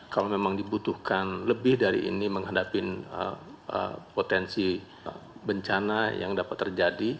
kalau memang dibutuhkan lebih dari ini menghadapi potensi bencana yang dapat terjadi